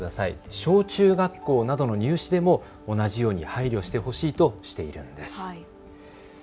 小中学校などの入試でも同じように配慮してほしいとしています。